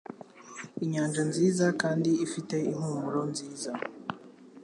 Inyanja nziza kandi ifite impumuro nziza,